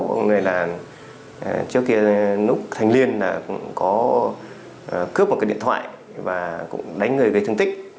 ông này là trước kia nút thành liên là có cướp một cái điện thoại và cũng đánh người gây thương tích